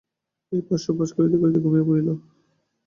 এ পাশ-ও পাশ করিতে করিতে ঘুমাইয়া পড়িল।